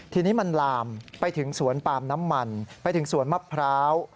ทีนี้มันลามไปถึงสวนปาล์มน้ำมันไปถึงสวนมะพร้าว